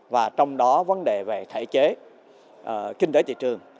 và trong đó vấn đề về thể chế kinh tế thị trường